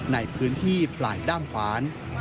ในพื้นที่ปลายด้ามขวาน